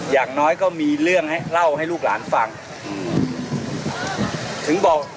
อย่างน้อยก็มีเรื่องให้เล่าให้ลูกหลานฟังอืมถึงบอก